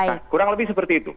kurang lebih seperti itu